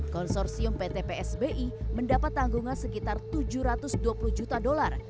konsorsium pt psbi mendapat tanggungan sekitar tujuh ratus dua puluh juta dolar